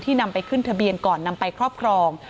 นำไปขึ้นทะเบียนก่อนนำไปครอบครอง